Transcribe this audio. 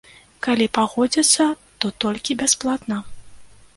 Калі пагодзяцца, то толькі бясплатна.